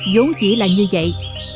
dố chỉ là như vậy